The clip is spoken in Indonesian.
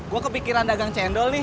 gue kepikiran dagang cendol nih